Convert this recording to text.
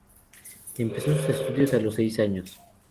Empezó sus estudios a los seis años.